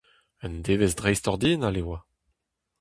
Un devezh dreistordinal e oa !